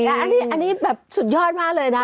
อันนี้แบบสุดยอดมากเลยนะ